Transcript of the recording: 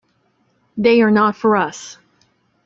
They are not for us.